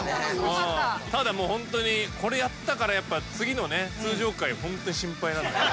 ただもうホントにこれやったからやっぱ次のね通常回ホントに心配なんだよ。